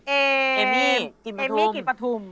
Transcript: เอมี่กิมพะทุม